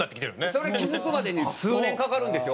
それ気付くまでに数年かかるんですよ